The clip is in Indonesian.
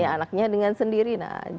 ya anaknya dengan sendiri